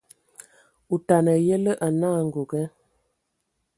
Otana a yǝlǝ anǝ angoge,